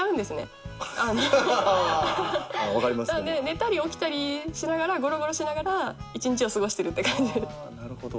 寝たり起きたりしながらゴロゴロしながら一日を過ごしてるって感じ。